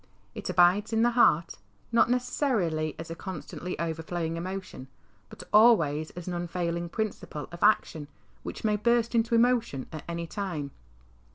It abides in the heart, not necessarily as a constantly overflowing emotion, but always as an unfailing principle of action, which may burst into emotion at any time.